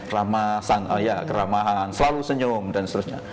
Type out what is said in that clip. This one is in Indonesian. ramah keramahan selalu senyum dan seterusnya